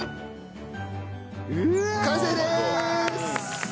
完成です！